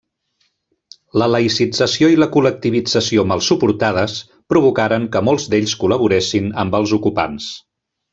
La laïcització i la col·lectivització mal suportades provocaren que molts d'ells col·laboressin amb els ocupants.